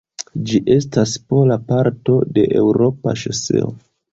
Ĝi estas pola parto de eŭropa ŝoseo.